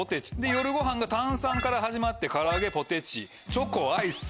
夜ごはんが炭酸から始まってからあげポテチチョコアイス。